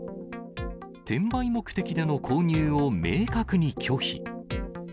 転売目的での購入を明確に拒否。